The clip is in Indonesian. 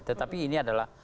tetapi ini adalah